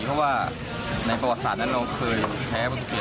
เพราะว่าในประวัติศาสตร์นั้นเราเคยแพ้มาทุกเกม